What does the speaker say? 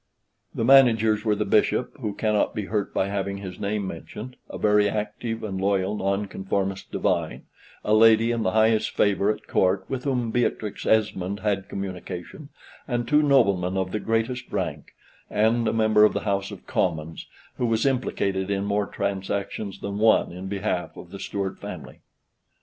The managers were the Bishop, who cannot be hurt by having his name mentioned, a very active and loyal Nonconformist Divine, a lady in the highest favor at Court, with whom Beatrix Esmond had communication, and two noblemen of the greatest rank, and a member of the House of Commons, who was implicated in more transactions than one in behalf of the Stuart family.